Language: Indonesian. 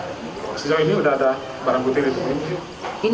sejauh ini sudah ada barang bukti di tempat ini